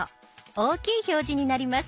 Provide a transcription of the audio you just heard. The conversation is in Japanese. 大きい表示になります。